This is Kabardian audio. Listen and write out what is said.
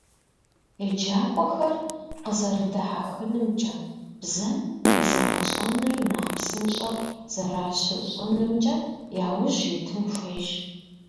ЕджакӀуэхэр къэзэрыдэхьэхынымкӀэ, бзэм и зэгъэщӀэныр нэхъ псынщӀэ зэращыщӀынымкӀэ яужь итын хуейщ.